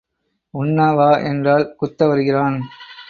உண்ண வா என்றால் குத்த வருகிறான்.